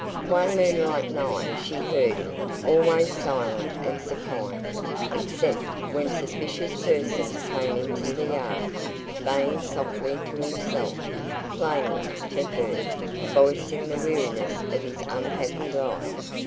One moonlight night she heard him always silent and supine, except when suspicious persons came into the yard baying softly to himself, plainly (to her) voicing the weariness of his unhappy life.